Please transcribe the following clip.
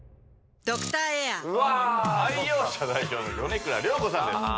ドクターエア愛用者代表の米倉涼子さんです